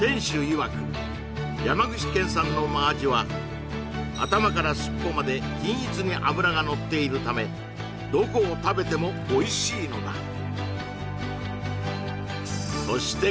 いわく山口県産のマアジは頭から尻尾まで均一に脂がのっているためどこを食べてもおいしいのだそして